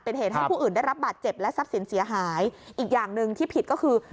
เป็นเหตุให้ผู้อื่นได้รับบาดเจ็บและทรัพย์สินเสียหายอีกอย่างหนึ่งที่ผิดก็คือ